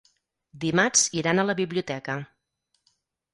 Dimarts iran a la biblioteca.